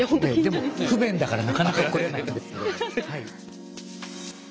でも不便だからなかなか来れない。